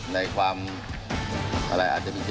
ให้เขาไปขอก็ไม่ขอ